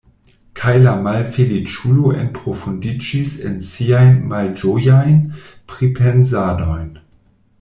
Kaj la malfeliĉulo enprofundiĝis en siajn malĝojajn pripensadojn.